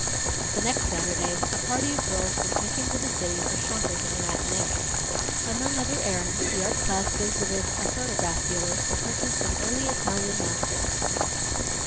The next Saturday, a party of girls was taken to the city for shopping and the matinée. Among other errands, the art class visited a photograph dealer's, to purchase some early Italian masters.